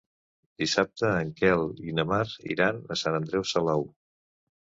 Dissabte en Quel i na Mar iran a Sant Andreu Salou.